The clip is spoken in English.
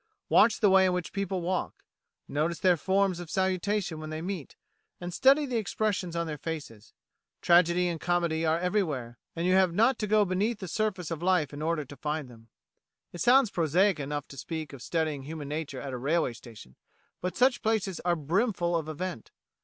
Watch the way in which people walk; notice their forms of salutation when they meet; and study the expressions on their faces. Tragedy and comedy are everywhere, and you have not to go beneath the surface of life in order to find them. It sounds prosaic enough to speak of studying human nature at a railway station, but such places are brimful of event.